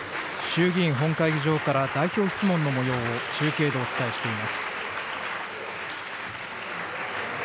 衆議院本会議場から、代表質問のもようを中継でお伝えしています。